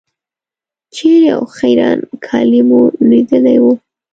چېرې او خیرن کالي مو لوېدلي وو.